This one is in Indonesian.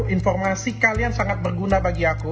informasi kalian sangat berguna bagi aku